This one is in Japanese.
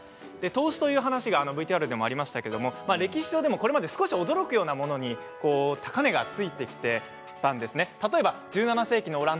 投資というお話がＶＴＲでもありましたけど歴史上でもこれまで少し驚くようなものに高値がついてきていたんです。